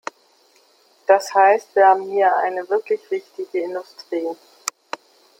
Das heißt, wir haben hier eine wirklich wichtige Industrie.